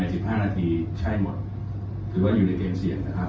๑๕นาทีใช่หมดถือว่าอยู่ในเกณฑ์เสี่ยงนะครับ